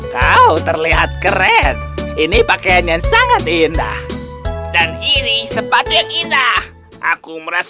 kau terlihat keren ini pakaian yang sangat indah dan ini sepatu yang indah aku merasa